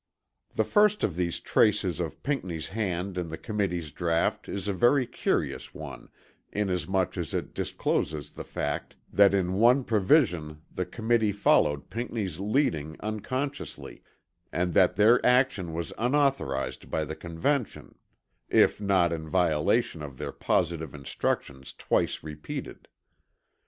The first of these traces of Pinckney's hand in the Committee's draught is a very curious one inasmuch as it discloses the fact that in one provision the Committee followed Pinckney's leading unconsciously, and that their action was unauthorized by the Convention, if not in violation of their positive instructions twice repeated.